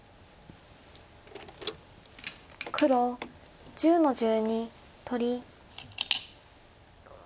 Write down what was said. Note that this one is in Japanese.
黒１０の十二取り。